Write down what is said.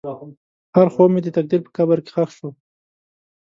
هر خوب مې د تقدیر په قبر کې ښخ شو.